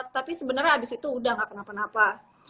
tapi sebenarnya abis itu udah gak kenapa napa